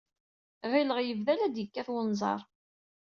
Ɣileɣ yebda la d-yekkat wenẓar.